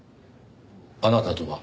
あなたとは？